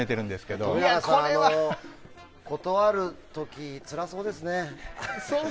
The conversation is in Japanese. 冨永さん、断る時つらそうですね。